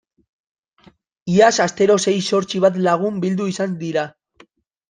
Iaz astero sei zortzi bat lagun bildu izan dira.